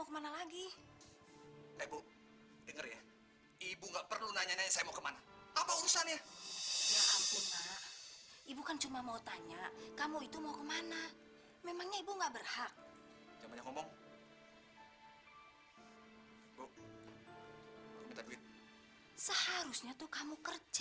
mereka turun ke dunia server kamu